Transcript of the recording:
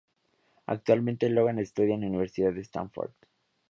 Actualmente Logan estudia en la Universidad de Stanford.